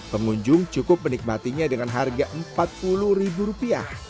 pengunjung cukup menikmatinya dengan harga rp empat puluh